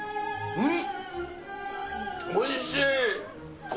うん！